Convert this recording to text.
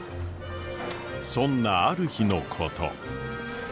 そんなある日のこと。